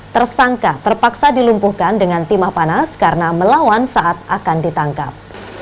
tersangka terpaksa dilumpuhkan dengan timah panas karena melawan saat akan ditangkap